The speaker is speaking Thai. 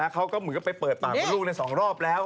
เขาก็เหมือนกับไปเปิดปากกับลูกใน๒รอบแล้ว